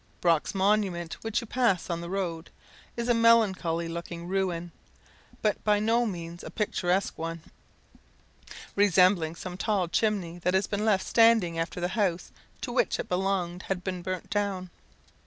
Brock's monument, which you pass on the road, is a melancholy looking ruin, but by no means a picturesque one, resembling some tall chimney that has been left standing after the house to which it belonged had been burnt down.